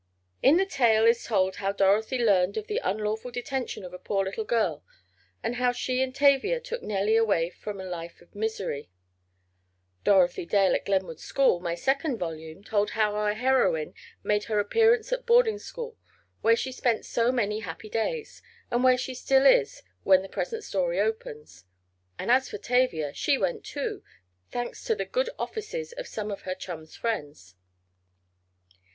In the tale is told how Dorothy learned of the unlawful detention of a poor little girl, and how she and Tavia took Nellie away from a life of misery. "Dorothy Dale at Glenwood School," my second volume, told how our heroine made her appearance at boarding school, where she spent so many happy days, and where she still is when the present story opens. And as for Tavia, she went, too, thanks to the good offices of some of her chum's friends.